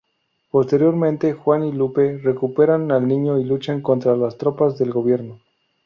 Posteriormente Juan y Lupe recuperan al niño y luchan contra las tropas del gobierno.